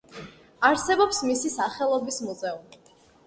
არსებობს მისი სახელობის მუზეუმი.